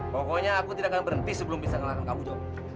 pokoknya aku tidak akan berhenti sebelum bisa ngelahkan kamu jauh